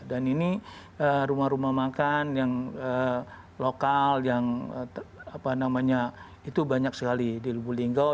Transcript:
dan ini rumah rumah makan yang lokal yang apa namanya itu banyak sekali di lubu linggau